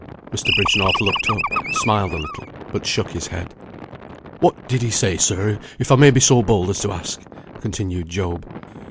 Mr. Bridgenorth looked up, smiled a little, but shook his head. "What did he say, sir, if I may be so bold as to ask?" continued Job.